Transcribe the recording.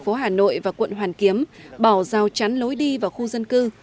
bộ giao thông vận tải chính quyền tp hà nội và quận hoàn kiếm bỏ giao chắn lối đi vào khu dân cư